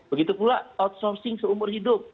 begitu pula outsourcing seumur hidup